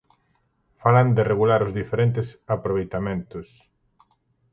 Falan de regular os diferentes aproveitamentos.